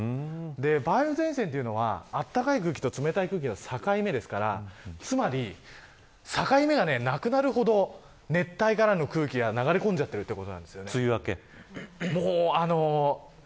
梅雨前線というのは暖かい空気と冷たい空気の境目ですからつまり、境目がなくなるほど熱帯からの空気が流れ込んじゃっている梅雨明け。